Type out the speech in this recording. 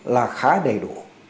là khá đầy đủ